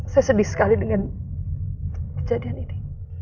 saya sedih sekali dengan kejadian ini